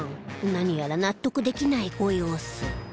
何やら納得できないご様子